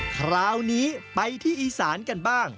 คราวนี้ไปที่อีสานกันบ้าง